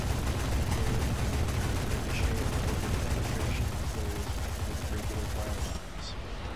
There is no danger of ricochet or over-penetration as there is with regular firearms.